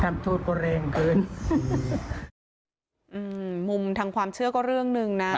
มุมทางความเชื่อก็เรื่องหนึ่งนะ